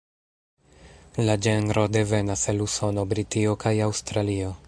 La ĝenro devenas el Usono, Britio, kaj Aŭstralio.